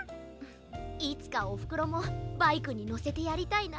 いつかおふくろもバイクにのせてやりたいな。